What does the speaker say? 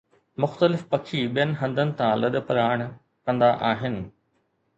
مختلف پکي ٻين هنڌن تان لڏپلاڻ ڪندا آهن